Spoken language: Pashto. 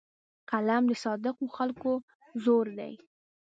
قلم د صادقو خلکو زور دی